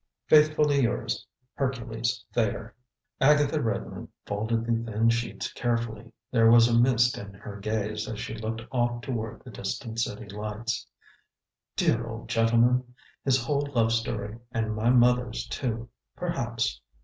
"Faithfully yours, "HERCULES THAYER." Agatha Redmond folded the thin sheets carefully. There was a mist in her gaze as she looked off toward the distant city lights. "Dear old gentleman! His whole love story, and my mother's, too, perhaps!"